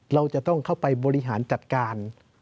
เราจะต้องเข้าไปบริหารจัดการ